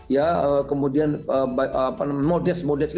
ya kemudian modest modest